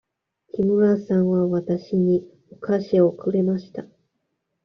木村さんはわたしにお菓子をくれました。